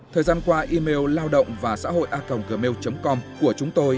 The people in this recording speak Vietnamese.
thời gian qua email lao độngvàxãhộiaconggmail com của chúng tôi